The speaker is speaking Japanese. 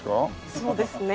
そうですね。